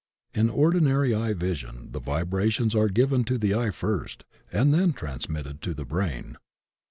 In ordinary eye vision the vibrations are given to the eye first and then trans mitted to the brain.